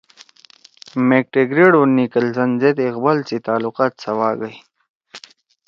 میگ ٹیگرٹ او نیکلسن سیت اقبال سی تعلُقات سواگئی